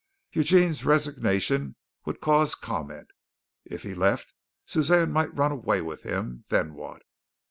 Eugene's resignation would cause comment. If he left, Suzanne might run away with him then what?